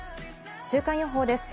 週間予報です。